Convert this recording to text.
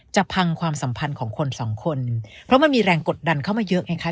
พังความสัมพันธ์ของคนสองคนเพราะมันมีแรงกดดันเข้ามาเยอะไงคะ